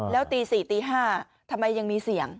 แล้วตีสี่หรือตีห้าทำไมยังมีเสียง